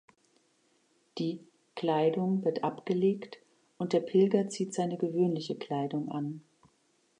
Die '-Kleidung wird abgelegt, und der Pilger zieht seine gewöhnliche Kleidung an.